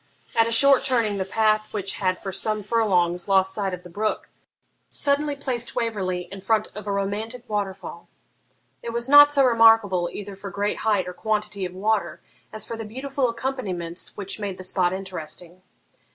At a short turning the path, which had for some furlongs lost sight of the brook, suddenly placed Waverley in front of a romantic waterfall. It was not so remarkable either for great height or quantity of water as for the beautiful accompaniments which made the spot interesting.